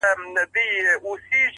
هوښیار انسان له تېروتنو ځان سموي